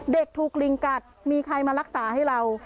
เด็กถูกลิงกัดมีใครมารักษาให้เรา